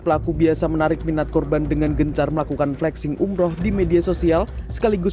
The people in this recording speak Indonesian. pelaku biasa menarik minat korban dengan gencar melakukan flexing umroh di media sosial sekaligus